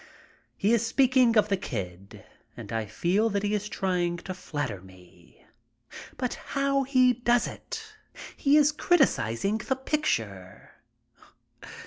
He is speaking of "The Kid," and I feel that he is trying to flatter me. But how he does it! He is criticizing the picture.